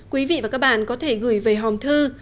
quý vị và các bạn có thể gửi về hòm thư